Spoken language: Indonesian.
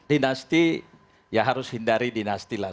dinasti ya harus hindari dinastilah